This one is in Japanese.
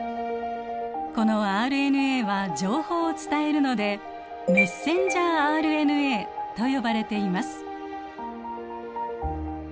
このＲＮＡは情報を伝えるので「メッセンジャーＲＮＡ」と呼ばれています。